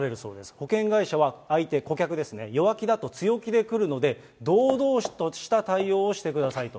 保険会社は相手、顧客ですね、弱気だと強気で来るので、堂々とした対応をしてくださいと。